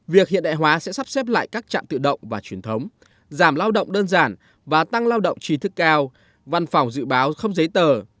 việc hiện đại hóa sẽ sắp xếp lại các trạm tự động và truyền thống giảm lao động đơn giản và tăng lao động trí thức cao văn phòng dự báo không giấy tờ